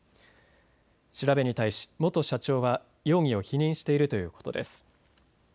調べに対し元社長は容疑を否認しているということです。